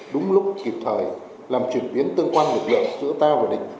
đúng lúc kịp thời làm chuyển biến tương quan lực lượng giữa ta và địch